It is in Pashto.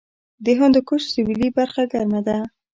د هندوکش سویلي برخه ګرمه ده